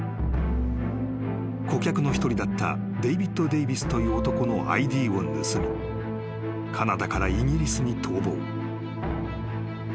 ［顧客の一人だったデイビッド・デイヴィスという男のＩＤを盗みカナダからイギリスに逃亡］